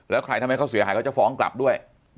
แล้วใครทำให้เขาเสียหายเขาจะฟ้องกลับด้วย